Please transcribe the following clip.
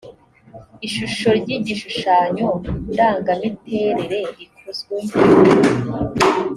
ishusho ry’igishushanyo ndangamiterere rikozwe